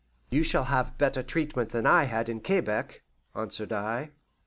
"You shall have better treatment than I had in Quebec," answered I.